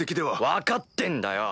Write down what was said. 分かってんだよ！